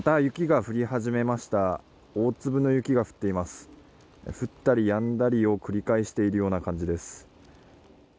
降ったりやんだりを繰り返しているような感じです。